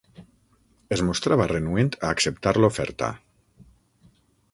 Es mostrava renuent a acceptar l'oferta.